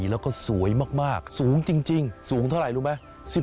แล้วก็สวยมากสูงจริงสูงเท่าไหร่รู้ไหม